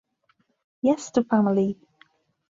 Yes to family!